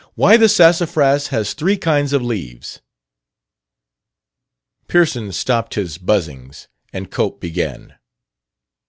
Why the Sassafras has Three Kinds of Leaves." Pearson stopped his buzzings, and Cope began.